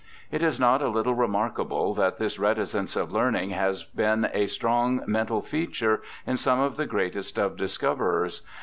It is not a httle remark able that this reticence of learning has been a strong mental feature in some of the greatest of discoverers.